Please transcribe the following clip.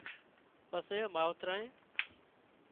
پسي ماوترانئي